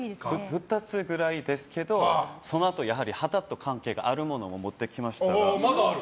２つくらいですけど肌と関係があるものも持ってきました。